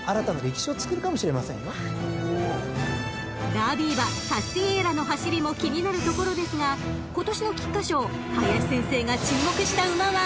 ［ダービー馬タスティエーラの走りも気になるところですが今年の菊花賞林先生が注目した馬は］